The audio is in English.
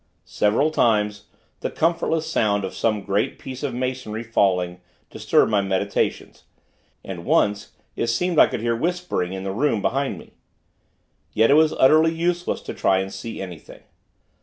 Several times, the comfortless sound of some great piece of masonry falling, disturbed my meditations; and, once, it seemed I could hear whispering in the room, behind me. Yet it was utterly useless to try to see anything.